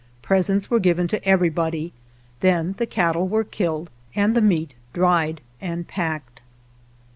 Presents were given to everybody; then the cattle were killed and the meat dried and packed.